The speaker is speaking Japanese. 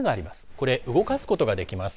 これ、動かすことができます。